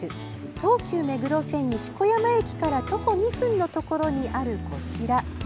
東急目黒線・西小山駅から徒歩２分のところにあるこちら。